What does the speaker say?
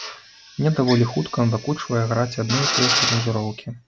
Мне даволі хутка надакучвае граць адны і тыя ж аранжыроўкі.